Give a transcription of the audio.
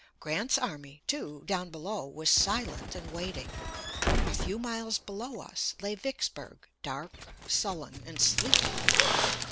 Grant's army too, down below, was silent and waiting. A few miles below us lay Vicksburg, dark, sullen, and sleeping.